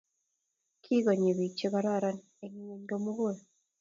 Kigonyii biik chegororon eng ingweny komugul